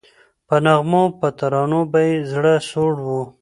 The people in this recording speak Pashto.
په نغمو په ترانو به یې زړه سوړ وو